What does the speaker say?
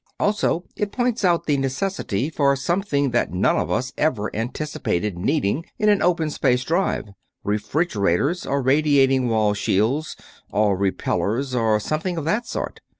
Also, it points out the necessity for something that none of us ever anticipated needing in an open space drive refrigerators or radiating wall shields or repellers or something of the sort.